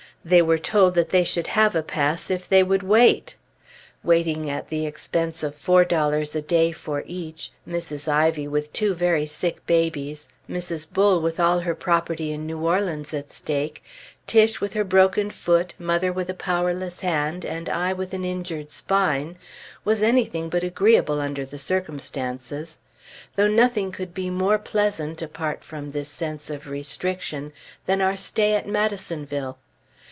They were told that they should have a pass if they would wait. Waiting at the expense of four dollars a day for each, Mrs. Ivy with two very sick babies, Mrs. Bull with all her property in New Orleans at stake, Tiche with her broken foot, mother with a powerless hand, and I with an injured spine, was anything but agreeable under the circumstances; though nothing could be more pleasant, apart from this sense of restriction, than our stay at Madisonville.